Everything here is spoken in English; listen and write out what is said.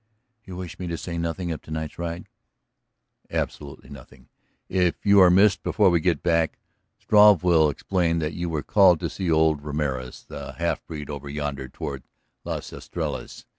"You wish me to say nothing of to night's ride?" "Absolutely nothing. If you are missed before we get back Struve will explain that you were called to see old Ramorez, a half breed over yonder toward Las Estrellas.